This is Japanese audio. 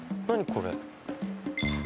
何これ？